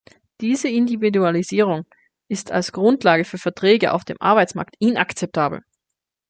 Diese Individualisierung ist als Grundlage für Verträge auf dem Arbeitsmarkt inakzeptabel.